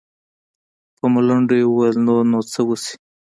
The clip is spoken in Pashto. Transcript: په ملنډو يې وويل نور نو څه وسي.